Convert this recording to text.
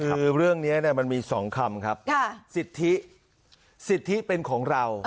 คือเรื่องเนี้ยเนี้ยมันมีสองคำครับค่ะสิทธิสิทธิเป็นของเรา